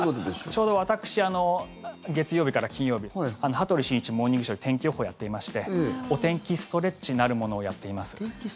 ちょうど私月曜日から金曜日「羽鳥慎一モーニングショー」で天気予報やってましてお天気ストレッチなるものをやっています。